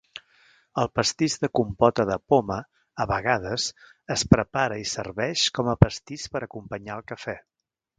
El pastís de compota de poma a vegades es prepara i serveix com a pastís per acompanyar el cafè.